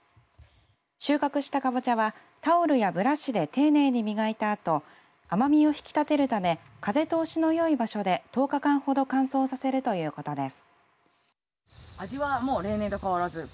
収穫したかぼちゃはタオルやブラシで丁寧に磨いた後甘みを引き立てるため風通しのよい場所で１０日間ほど乾燥させるということです。